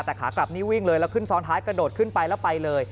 แต่ขากลับนี่วิ่งเลยแล้วขึ้นซ้อนท้ายกระโดดขึ้นไปแล้วไปเลย